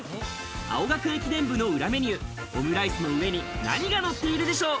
青学駅伝部の裏メニュー、オムライスの上に何がのっているでしょう。